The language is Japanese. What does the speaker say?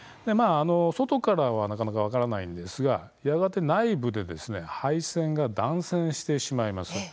外からはなかなか分からないんですがやがて内部で配線が断線してしまいます。